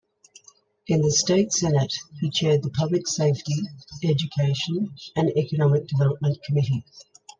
In the State Senate, he chaired the Public Safety, Education, and Economic Development committees.